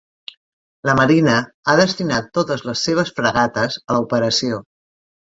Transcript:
La marina ha destinat totes les seves fragates a l'operació.